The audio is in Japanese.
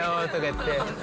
って。